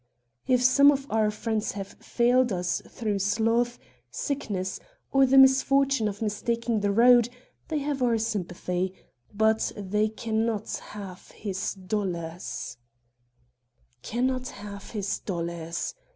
If some of our friends have failed us through sloth, sickness or the misfortune of mistaking the road, they have our sympathy, but they can not have his dollars." "Can not have his dollars!"